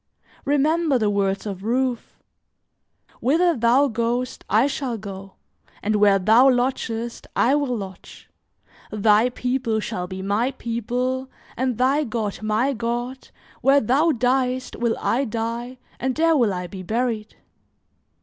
Remember the words of Ruth: 'Whither thou goest, I shall go; and where thou lodgest, I will lodge; thy people shall be my people, and thy God my God, where thou diest will I die, and there will I be buried.'"